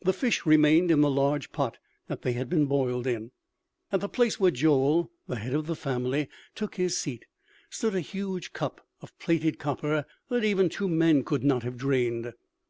The fish remained in the large pot that they had been boiled in. At the place where Joel, the head of the family, took his seat, stood a huge cup of plated copper that even two men could not have drained.